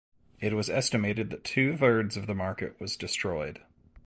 It was estimated that two-thirds of the market was destroyed.